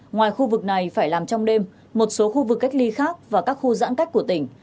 ngoài khu vực này phải làm trong đêm một số khu vực cách ly khác và các khu giãn cách của tỉnh